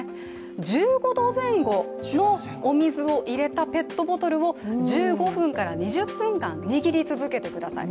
１５度前後のお水を入れたペットボトルを１５分から２０分間、握り続けてください。